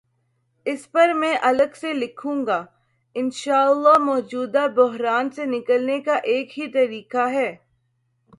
اس پرمیں الگ سے لکھوں گا، انشا اللہ مو جودہ بحران سے نکلنے کا ایک ہی طریقہ ہے۔